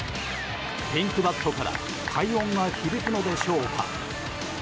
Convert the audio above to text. ピンクバットから快音は響くのでしょうか。